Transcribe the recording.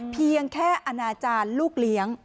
เพียงแค่อนาจารย์ลูกเลี้ยง